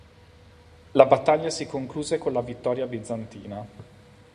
La battaglia si concluse con la vittoria bizantina.